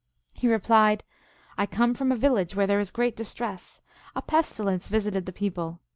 " He replied, "I come from a village where there is great distress. A pestilence visited the people.